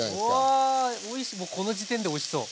おおもうこの時点でおいしそう。